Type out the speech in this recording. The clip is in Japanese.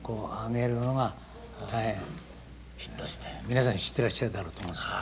皆さん知ってらっしゃるだろうと思うんですけど。